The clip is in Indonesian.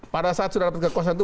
pada saat sudah dapat kekuasaan itu